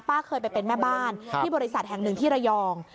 เคยไปเป็นแม่บ้านที่บริษัทแห่งหนึ่งที่ระยอง